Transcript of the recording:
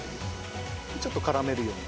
ちょっと絡めるように。